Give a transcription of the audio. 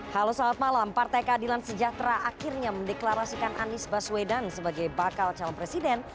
halo selamat malam partai keadilan sejahtera akhirnya mendeklarasikan anies baswedan sebagai bakal calon presiden